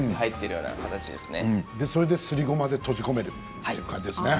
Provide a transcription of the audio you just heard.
それで、すりごまで閉じ込めているという感じですね。